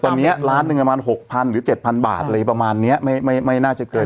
ตอนนี้ร้านหนึ่งประมาณ๖๐๐๐หรือ๗๐๐๐บาทอะไรประมาณนี้ไม่น่าจะเกิน๒๐